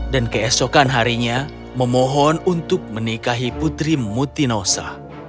dan keesokan harinya memohon untuk menikahi putri mutinosa